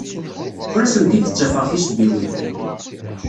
Ur asent-d-ttafeɣ tisebbiwin.